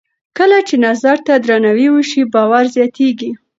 کله چې نظر ته درناوی وشي، باور زیاتېږي.